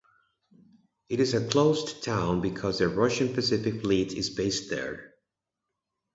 It is a closed town because the Russian Pacific Fleet is based there.